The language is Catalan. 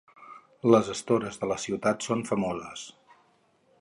Les estores de la ciutat són famoses.